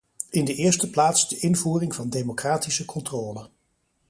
In de eerste plaats de invoering van democratische controle.